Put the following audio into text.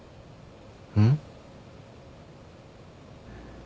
うん？